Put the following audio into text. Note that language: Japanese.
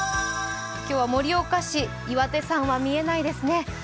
今日は盛岡市岩手山は見えないですね。